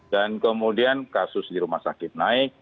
dan kemudian kasus di rumah sakit naik